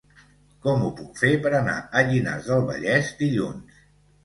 Com ho puc fer per anar a Llinars del Vallès dilluns?